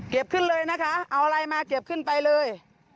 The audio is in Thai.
ขึ้นเลยนะคะเอาอะไรมาเก็บขึ้นไปเลย